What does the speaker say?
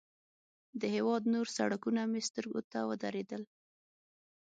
د هېواد نور سړکونه مې سترګو ته ودرېدل.